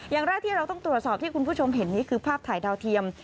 อย่างแรกที่เราต้องตรวจสอบที่คุณผู้ชมเห็นนี้คือภาพถ่ายดาวเทียม